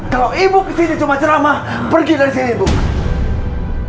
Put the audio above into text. kalau ibu kesini cuma ceramah pergi dari sini ibu